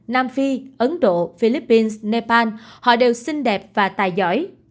nam phi ấn độ philippines nepal họ đều xinh đẹp và tài giỏi